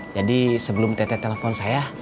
jadi sebelum teteh telpon saya